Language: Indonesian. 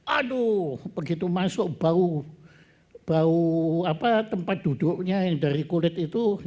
aduh begitu masuk bau tempat duduknya yang dari kulit itu